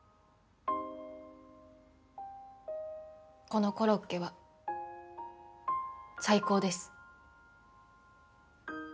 このコロッケは最高です。